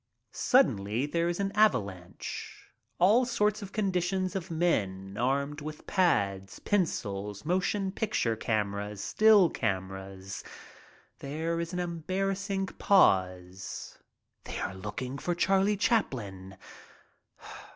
Suddenly there is an avalanche. All sorts and conditions of men armed with pads, pencils, motion picture cameras, still cameras. There is an embarrassing pause. They are looking for Charlie Chaplin.